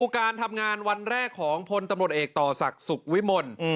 การทำงานวันแรกของพลตำรวจเอกต่อศักดิ์สุขวิมล